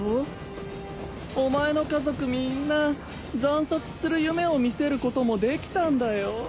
お前の家族みんな惨殺する夢を見せることもできたんだよ？